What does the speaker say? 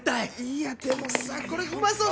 いやでもさこれうまそう。